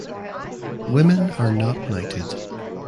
Women are not knighted.